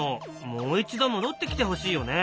もう一度戻ってきてほしいよね。